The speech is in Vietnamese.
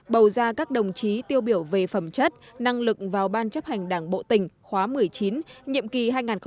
bầu ra các đồng chí tiêu biểu về phẩm chất năng lực vào ban chấp hành đảng bộ tỉnh khóa một mươi chín nhiệm kỳ hai nghìn hai mươi hai nghìn hai mươi năm